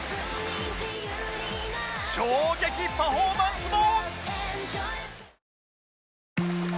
笑撃パフォーマンスも！